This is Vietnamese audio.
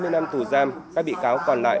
hai mươi năm tù giam các bị cáo còn lại